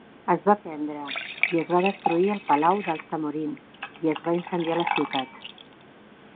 Es va prendre i es va destruir el palau dels Zamorin i es va incendiar la ciutat.